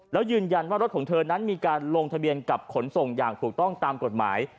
แล้วยืนยันว่ารถของเธอนั้นมีการลงทะเบียนกับขนส่งอย่างถูกต้องตามกฎหมาย